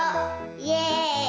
イエイ！